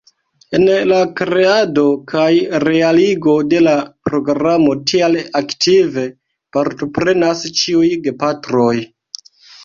En la kreado kaj realigo de la programo tial aktive partoprenas ĉiuj gepatroj.